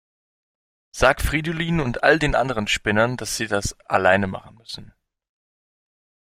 Sag Fridolin und all den anderen Spinnern, dass sie das alleine machen müssen.